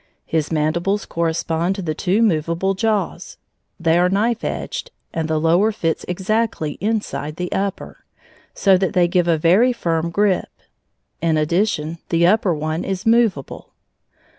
His mandibles correspond to the two movable jaws. They are knife edged, and the lower fits exactly inside the upper, so that they give a very firm grip. In addition, the upper one is movable.